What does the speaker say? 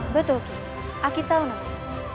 betul ki aku tahu nama